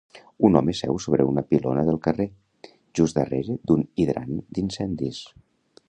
Un home seu sobre una pilona del carrer, just darrere d'un hidrant d'incendis